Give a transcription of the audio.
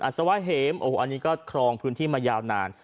สวะเหมโอ้โหอันนี้ก็ครองพื้นที่มายาวนาน